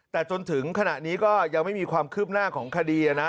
แต่จนถึงขณะนี้ก็ยังไม่มีความคืบหน้าของคดีนะ